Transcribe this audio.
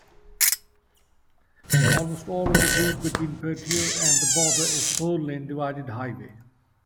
Almost all of the route between Poteau and the border is four-lane divided highway.